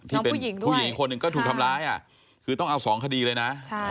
ที่เป็นผู้หญิงอีกคนหนึ่งก็ถูกทำร้ายคือต้องเอา๒คดีเลยนะ